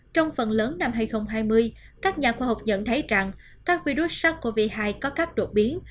trong phần lớn năm hai nghìn hai mươi các nhà khoa học nhận thấy rằng các virus sars cov hai có các đột biến